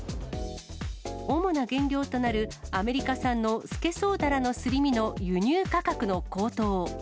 主な原料となるアメリカ産のスケソウダラのすり身の輸入価格の高騰。